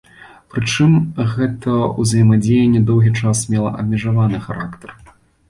Прычым, гэта ўзаемадзеянне доўгі час мела абмежаваны характар.